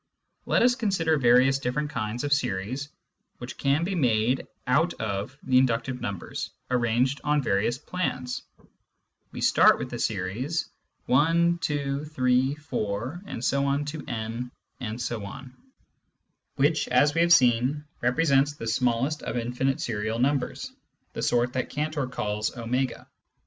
Let us first consider various different kinds of series which can be made out of the inductive numbers arranged on various plans. We start with the series i, 2, 3, 4, ...»,..., which, as we have already seen, represents the smallest of in finite serial numbers, the sort that Cantor calls a>.